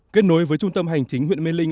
kết nối với trung tâm hành chính huyện mê linh